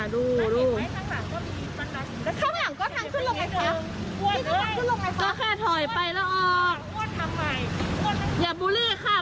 ดูดูทางหลังก็หันทางหลังก็คัดคือไม่ครับ